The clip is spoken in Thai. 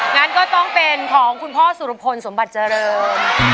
งั้นก็ต้องเป็นของคุณพ่อสุรพลสมบัติเจริญ